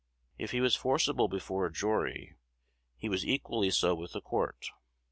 If he was forcible before a jury, he was equally so with the court.